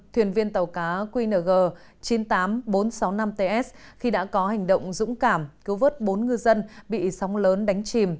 thuyền viên tàu cá qng chín mươi tám nghìn bốn trăm sáu mươi năm ts khi đã có hành động dũng cảm cứu vớt bốn ngư dân bị sóng lớn đánh chìm